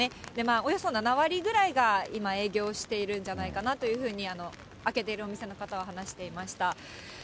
およそ７割ぐらいが今、営業しているんじゃないかなというふうに、開けてるお店の方は話していました。